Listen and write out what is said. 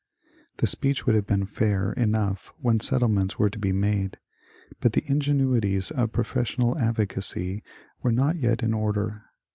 The speech would have been fair enough when settle ments were to be made, but the ingenuities of professional advocacy were not yet in order.